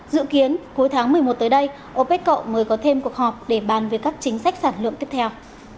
dự kiến cuối tháng một mươi một tới đây opec cộng mới có thêm cuộc họp để bàn về các chính sách sản lượng tiếp theo